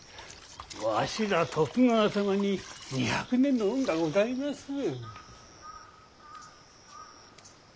わしらは徳川様に二百年の恩がございまする。